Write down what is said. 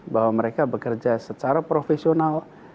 bahwa mereka bekerja secara profesional